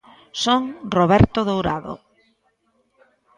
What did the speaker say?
_Son Roberto Dourado.